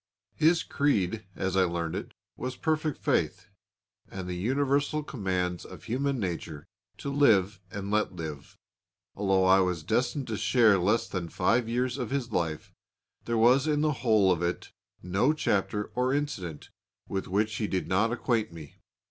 His creed, as I learned it, was perfect faith, and the universal commands of human nature to live and let live. Although I was destined to share less than five years of his life, there was in the whole of it no chapter or incident with which he did not acquaint me.